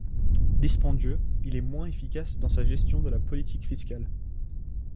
Dispendieux, il est moins efficace dans sa gestion de la politique fiscale.